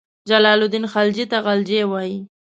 جلال الدین خلجي ته غلجي وایي.